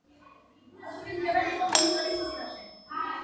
პასუხისმგებელი იყო მინისტრების წინაშე.